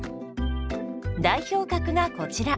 代表格がこちら。